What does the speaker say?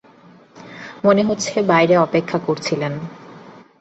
মনে হচ্ছে বাইরে অপেক্ষা করছিলেন।